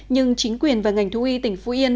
nhưng chính quyền và ngành thú y tỉnh phú yên